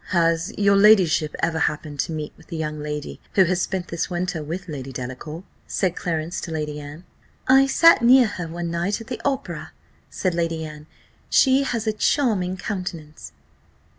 "Has your ladyship ever happened to meet with the young lady who has spent this winter with Lady Delacour?" said Clarence to Lady Anne. "I sat near her one night at the opera," said Lady Anne: "she has a charming countenance."